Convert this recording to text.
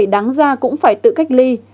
sáng ra cũng phải tự cách ly